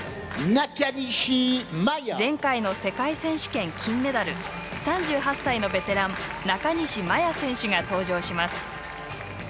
前回の世界選手権金メダル３８歳のベテラン中西麻耶選手が登場します。